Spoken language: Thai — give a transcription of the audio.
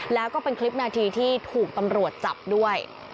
แล้วก็เป็นคลิปนาทีที่ถูกตำรวจจับด้วย